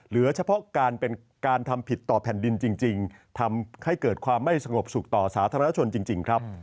เหลือเฉพาะการเป็นการทำผิดต่อแผ่นดินจริงทำให้เกิดความไม่สงบสุขต่อสาธารณชนจริงครับ